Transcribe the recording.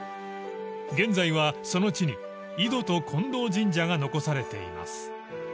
［現在はその地に井戸と近藤神社が残されています］